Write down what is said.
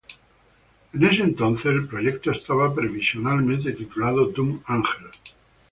En ese entonces, el proyecto estaba provisionalmente titulado "Dumb Angel".